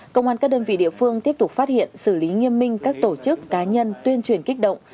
công an các đơn vị địa phương tiếp tục phát hiện xử lý nghiêm minh các tổ chức cá nhân tuyên truyền kích động